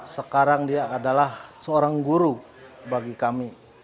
sekarang dia adalah seorang guru bagi kami